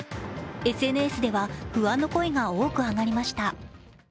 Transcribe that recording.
ＳＮＳでは不安の声が多く上がりました。